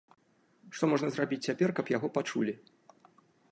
Што можна зрабіць цяпер, каб яго пачулі?